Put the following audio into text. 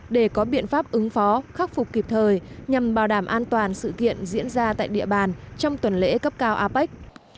để có biện pháp ứng phó khắc phục kịp thời nhằm bảo đảm an toàn sự kiện diễn ra tại địa bàn trong tuần lễ cấp cao apec